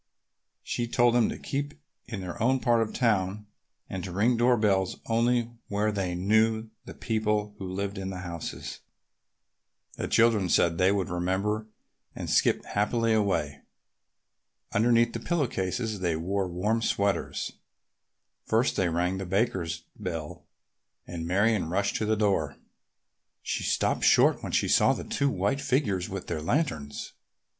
She told them to keep in their own part of town and to ring door bells only where they knew the people who lived in the houses. The children said they would remember and skipped happily away. Underneath the pillow cases they wore warm sweaters. First they rang the Bakers' bell and Marion rushed to the door. She stopped short when she saw the two white figures with their lanterns.